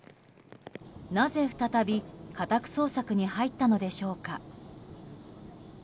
なぜ再び家宅捜索に入ったのでしょうか。